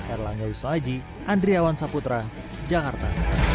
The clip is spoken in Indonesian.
erlang yusof haji andriawan saputra jakarta